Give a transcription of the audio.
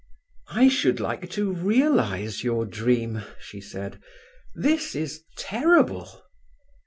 "I should like to realize your dream," she said. "This is terrible!"